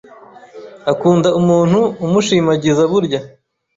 Akunda umuntu umushimagiza burya